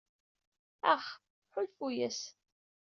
Ax, ḥulfu-as.